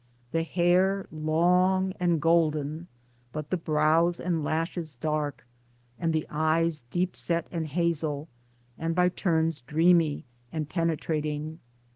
The hair long and golden, but the brows and lashes dark, and the eyes deep set and hazel, and by turns dreamy and penetrating.